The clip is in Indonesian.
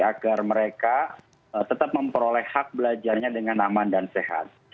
agar mereka tetap memperoleh hak belajarnya dengan aman dan sehat